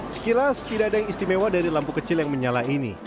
sekilas tidak ada yang istimewa dari lampu kecil yang menyala ini